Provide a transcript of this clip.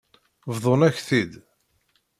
Bḍan-ak-t-id.